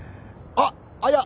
あっいや。